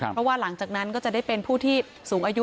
เพราะว่าหลังจากนั้นก็จะได้เป็นผู้ที่สูงอายุ